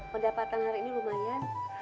pendapatan hari ini lumayan